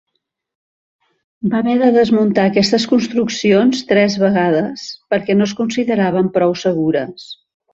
Va haver de desmuntar aquestes construccions tres vegades, perquè no es consideraven prou segures.